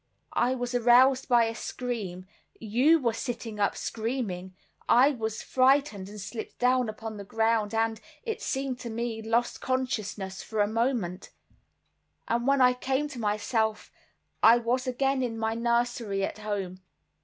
I was aroused by a scream; you were sitting up screaming. I was frightened, and slipped down upon the ground, and, it seemed to me, lost consciousness for a moment; and when I came to myself, I was again in my nursery at home.